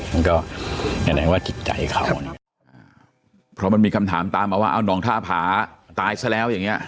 มันก็แสดงว่าจิตใจเขาเพราะมันมีคำถามตามมาว่าเอานองท่าผาตายซะแล้วอย่างเงี้